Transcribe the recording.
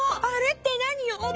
「あれ」って何よ？